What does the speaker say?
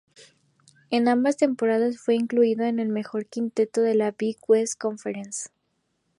En ambas temporadas fue incluido en el mejor quinteto de la Big West Conference.